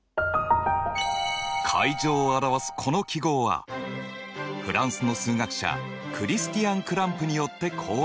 階乗を表すこの記号はフランスの数学者クリスティアン・クランプによって考案されました。